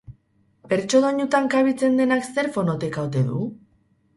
Bertso doinutan kabitzen denak zer fonoteka ote du?